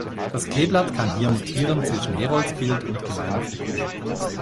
Das Kleeblatt kann hier mutieren zwischen Heroldsbild und gemeiner Figur.